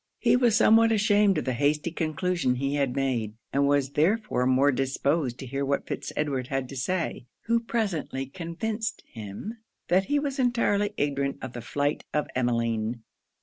He was somewhat ashamed of the hasty conclusion he had made, and was therefore more disposed to hear what Fitz Edward had to say, who presently convinced him that he was entirely ignorant of the flight of Emmeline.